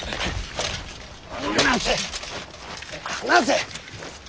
離せ離せ！